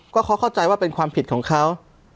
ก็เขาเข้าใจว่าเป็นความผิดของเขา